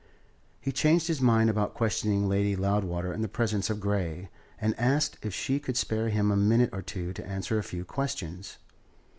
He changed his mind about questioning Lady Loudwater in the presence of Grey, and asked if she could spare him a minute or two to answer a few questions.